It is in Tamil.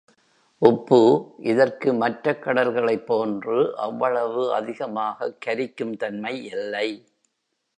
உப்பு இதற்கு மற்றக் கடல்களைப் போன்று அவ் வளவு அதிகமாகக் கரிக்கும் தன்மை இல்லை.